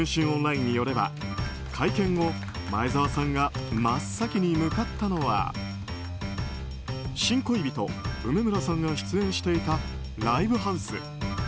オンラインによれば会見後、前澤さんが真っ先に向かったのは新恋人、梅村さんが出演していたライブハウス。